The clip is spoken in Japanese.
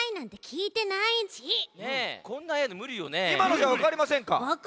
いまのじゃわかりませんか？